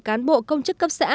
cán bộ công chức cấp xã